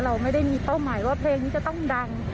เราไม่ได้มีเป้าหมายว่าเพลงนี้จะต้องดัง